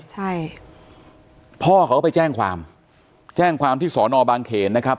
ใช่พ่อเขาก็ไปแจ้งความแจ้งความที่สอนอบางเขนนะครับ